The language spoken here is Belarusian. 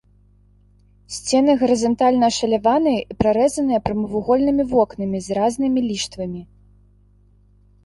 Сцены гарызантальна ашаляваныя і прарэзаныя прамавугольнымі вокнамі з разнымі ліштвамі.